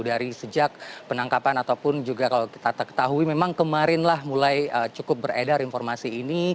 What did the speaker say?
dari sejak penangkapan ataupun juga kalau kita ketahui memang kemarinlah mulai cukup beredar informasi ini